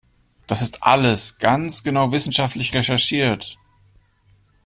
Das ist alles ganz genau wissenschaftlich recherchiert!